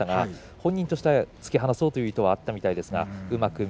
本人としては突き放そうという意図はあったようです。